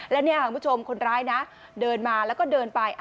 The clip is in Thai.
แล้วเนี่ยคุณผู้ชมคนร้ายนะเดินมาแล้วก็เดินไป